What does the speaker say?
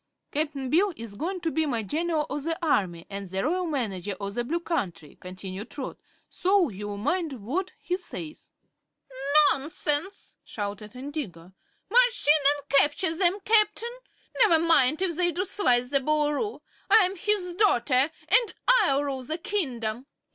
"Cap'n Bill is goin' to be my General o' the Army an' the Royal Manager o' the Blue Country," continued Trot; "so you'll mind what he says." "Nonsense!" shouted Indigo. "March in and capture them, Captain! Never mind if they do slice the Boolooroo. I'm his daughter, and I'll rule the kingdom."